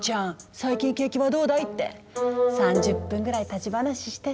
最近景気はどうだい？」って３０分ぐらい立ち話してさ。